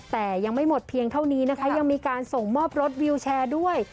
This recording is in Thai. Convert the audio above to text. แต่ยังไม่หมดเพียงเท่านี้นะคะยังมีการส่งมอบรถวิวแชร์ด้วย